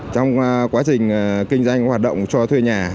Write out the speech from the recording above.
trong quá trình kinh doanh hoạt động cho thuê nhà